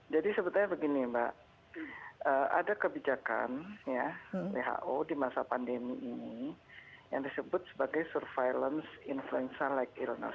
jadi sebetulnya begini mbak ada kebijakan ya who di masa pandemi ini yang disebut sebagai surveillance influenza like illness